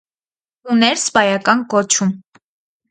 Ուներ սպայական կոչում։